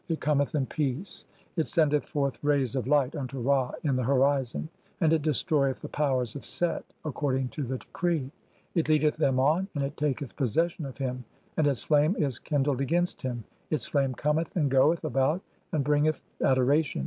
"It cometh in peace, it sendeth "forth rays of light unto Ra in the horizon, and it destroyeth "the powers (3) of Set according to the decree (?). It leadeth "them on, and it taketh possession [of him], and its flame is "kindled against him. [Its] flame cometh and goeth about, and "bringeth (4) adoration